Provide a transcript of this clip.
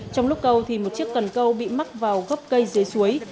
trong lúc cầu một chiếc cần câu bị mắc vào gốc cây dưới suối